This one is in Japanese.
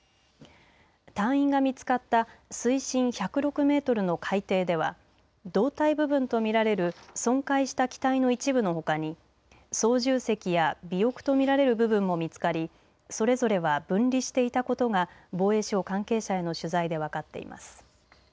隊員が見つかった水深１０６メートルの海底では胴体部分と見られる損壊した機体の一部のほかに操縦席や尾翼と見られる部分も見つかりそれぞれは分離していたことが防衛省関係者への取材で分かっています。